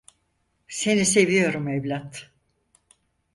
Seni seviyorum evlat.